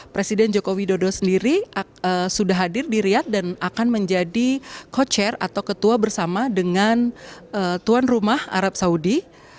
presiden joko widodo sendiri sudah hadir di riyad dan akan menjadi co chair atau ketua bersama dengan tuan rumah arab saudi